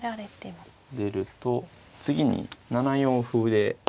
出ると次に７四歩で